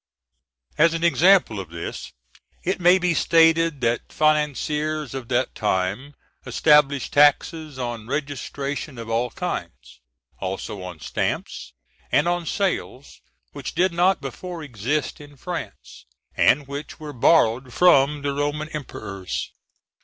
As an example of this, it may be stated that financiers of that time established taxes on registration of all kinds, also on stamps, and on sales, which did not before exist in France, and which were borrowed from the Roman emperors.